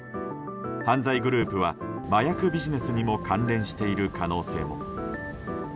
犯罪グループは麻薬ビジネスにも関連している可能性も。